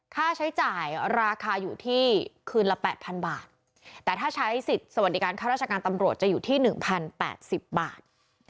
ค่าใช้จ่ายราคาอยู่ที่คืนละแปดพันบาทแต่ถ้าใช้สิทธิ์สวัสดิการค่าราชการตำรวจจะอยู่ที่๑๐๘๐บาท